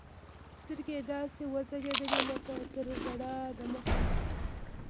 سترګې يې داسې وځلېدې لكه تر ژړا د مخه.